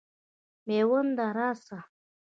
مېونده راسه.